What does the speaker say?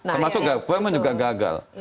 termasuk gue memang juga gagal